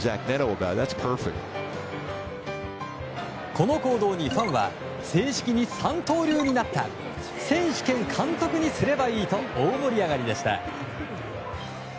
この行動にファンは正式に三刀流になった選手兼監督にすればいいと大盛り上がりでした。